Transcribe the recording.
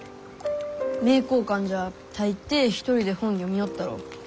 名教館じゃ大抵一人で本読みよったろ。